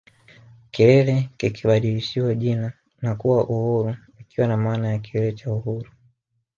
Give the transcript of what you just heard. Kilele kikabadilishiwa jina na kuwa Uhuru likiwa na maana ya Kilele cha Uhuru